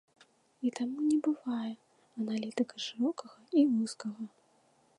І таму не бывае аналітыка шырокага і вузкага.